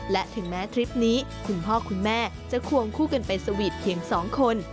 และถึงแม้ทริปนี้คุณพ่อคุณแม่จะควงคู่กันไปสวีทเพียง๒คน